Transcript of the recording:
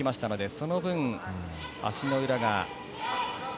その分、足の裏が。